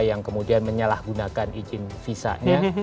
yang kemudian menyalahgunakan izin visanya